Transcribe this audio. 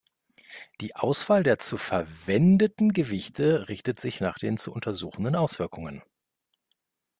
Die Auswahl der zu verwendeten Gewichte richtet sich nach den zu untersuchenden Auswirkungen.